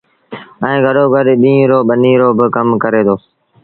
ائيٚݩ گڏو گڏ ڏيٚݩهݩ رو ٻنيٚ رو با ڪم ڪري دو۔